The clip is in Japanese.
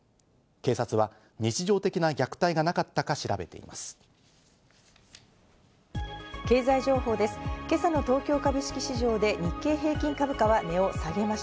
警察は日常的な虐待がなかったか捜査を進めています。